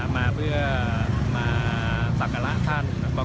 มาเพื่อสังฆราชท่านมาบอกว่า